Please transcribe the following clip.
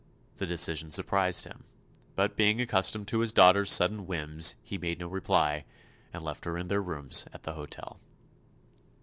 The decision surprised him, but being accustomed to his daughter's sudden whims he made no reply and left her in their rooms at the hotel.